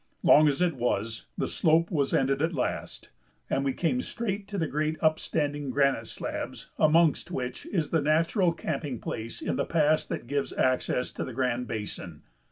Long as it was, the slope was ended at last, and we came straight to the great upstanding granite slabs amongst which is the natural camping place in the pass that gives access to the Grand Basin.